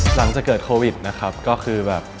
หลังจากเกิดโควิดนะครับก็คือแบบ